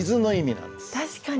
確かに！